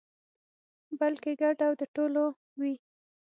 بلکې ګډ او د ټولو وي.